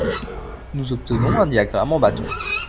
Nous obtenons un diagramme en bâtons.